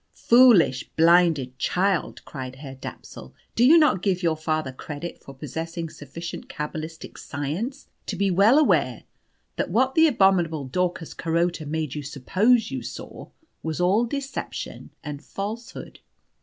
"Foolish, blinded child," cried Herr Dapsul, "do you not give your father credit for possessing sufficient cabalistic science to be well aware that what the abominable Daucus Carota made you suppose you saw was all deception and falsehood?